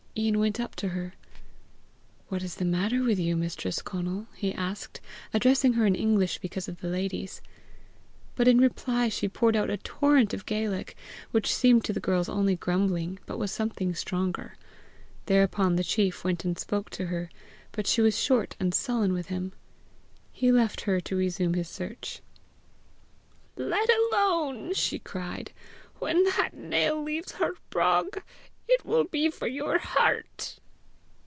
Ian went up to her. "What is the matter with you, Mistress Conal?" he asked, addressing her in English because of the ladies. But in reply she poured out a torrent of Gaelic, which seemed to the girls only grumbling, but was something stronger. Thereupon the chief went and spoke to her, but she was short and sullen with him. He left her to resume his search. "Let alone," she cried. "When that nail leaves her brog, it will be for your heart."